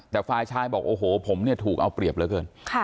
แต่ฝ่ายชายบอกโอ้โหผมเนี่ยถูกเอาเปรียบเหลือเกิน